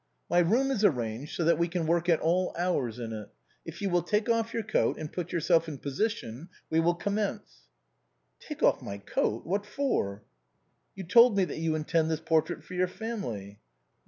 " My room is arranged so that we can work at all hours in it. If you will take off your coat, and put yourself in position, we will commence," " Take off my coat ! What for ?"" You told me that you intended this portrait for your family."